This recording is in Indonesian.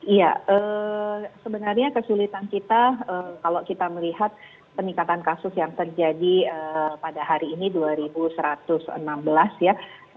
iya sebenarnya kesulitan kita kalau kita melihat peningkatan kasus yang terjadi pada hari ini dua satu ratus enam belas ya